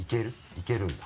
いけるんだ。